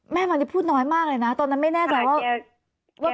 มานี่พูดน้อยมากเลยนะตอนนั้นไม่แน่ใจว่า